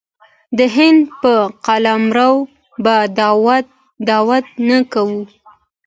د هند په قلمرو به دعوه نه کوي.